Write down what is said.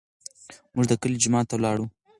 موږ د کلي جومات ته لاړو.